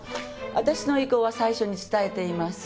私の意向は最初に伝えています。